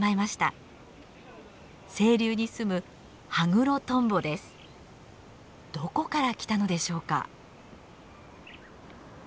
清流に住むどこから来たのでしょうか？